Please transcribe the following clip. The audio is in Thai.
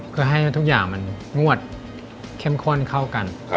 เพื่อให้ทุกอย่างมันงวดเข้มข้นเข้ากัน